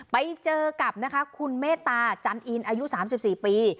ไปเจอกับนะคะคุณเมตตาจันอินอายุ๓๔ปี